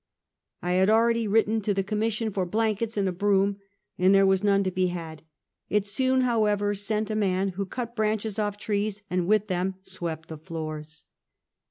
I had already written to the Commission for blan kets and a broom, but there were none to be had. It soon however sent a man, who cut branches off trees, and with them swept the floors.